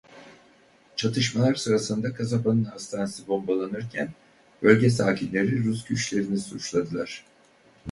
Çatışmalar sırasında kasabanın hastanesi bombalanırken bölge sakinleri Rus güçlerini suçladılar.